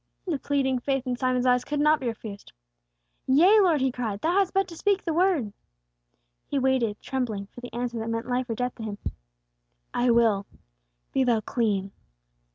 The pleading faith in Simon's eyes could not be refused. "Yea, Lord," he cried, "Thou hast but to speak the word!" He waited, trembling, for the answer that meant life or death to him. "I will. Be thou clean!"